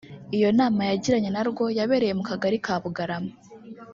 Iyo nama yagiranye na rwo yabereye mu kagari ka Bugarama